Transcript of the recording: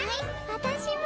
私も！